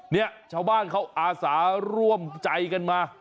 เนี่ยชาวบ้านเขาอาสาร่วมใจกันมา